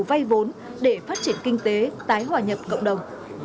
vay vốn để phát triển kinh tế tái hòa nhập cộng đồng